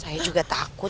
saya juga takut